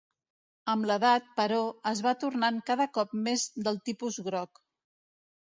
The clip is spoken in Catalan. Amb l'edat, però, es va tornant cada cop més del tipus groc.